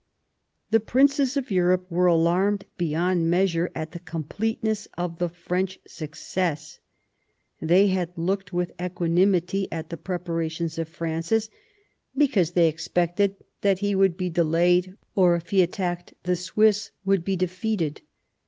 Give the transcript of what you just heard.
The princes of Europe were alarmed beyond measure at the completeness of the French success. They had looked with equanimity at the preparations of Francis, because they expected that he would be delayed, or, if he attacked the Swiss, would be defeated.